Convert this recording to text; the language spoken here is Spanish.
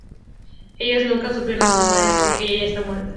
Ellos nunca supieron de su madre porque ella ya está muerta.